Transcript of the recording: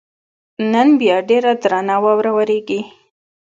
نن بیا ډېره درنه واوره ورېږي.